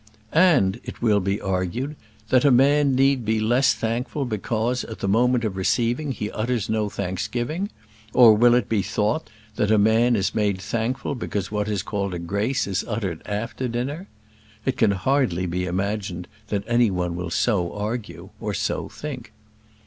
And it will be argued, that a man need be less thankful because, at the moment of receiving, he utters no thanksgiving? or will it be thought that a man is made thankful because what is called a grace is uttered after dinner? It can hardly be imagined that any one will so argue, or so think.